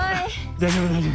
大丈夫大丈夫。